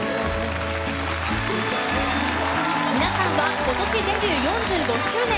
皆さんは、今年デビュー４５周年！